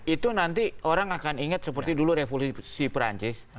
itu nanti orang akan ingat seperti dulu revolusi perancis